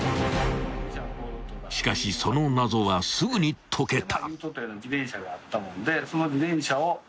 ［しかしその謎はすぐに解けた］